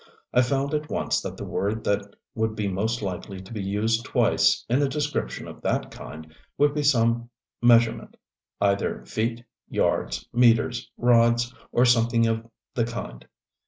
I found at once that the word that would be most likely to be used twice in a description of that kind would be some measurement either feet, yards, meters, rods, or something of the kind.